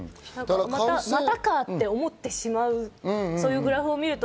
またかぁって思ってしまう、そういうグラフを見ると。